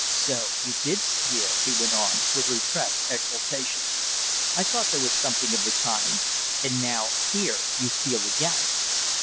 "So you did steal," he went on, with repressed exultation. "I thought there was something of the kind. And now, here, you steal again."